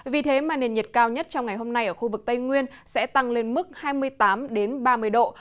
vì thế mà nền nhiệt cao nhất trong ngày hôm nay ở khu vực tây nguyên sẽ tăng lên mức hai mươi tám ba mươi độ